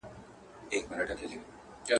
جنازو پكښي اوډلي دي كورونه.